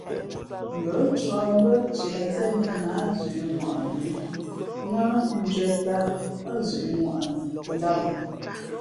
Ngα̌ ncāk mbʉ́ά tiēzēn mēn a zʉ̌ʼŋwαʼni nά ndʉ̄ᾱ tāā ά zʉʼ ŋwαʼni ndāmα.